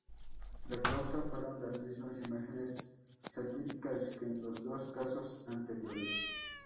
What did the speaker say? La causa fueron las mismas imágenes satíricas que en los dos casos anteriores.